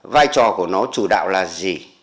vai trò của nó chủ đạo là gì